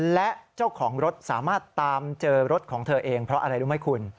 และเจ้าของรถสามารถตามเจอรถของเธอเองเพราะอะไรรู้ไหมคุณ